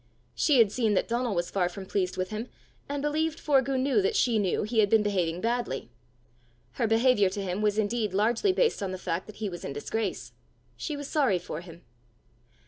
She had seen that Donal was far from pleased with him, and believed Forgue knew that she knew he had been behaving badly. Her behaviour to him was indeed largely based on the fact that he was in disgrace: she was sorry for him.